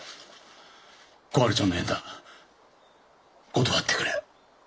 小春ちゃんの縁談断ってくれ。